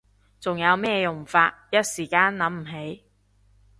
仲有咩用法？一時間諗唔起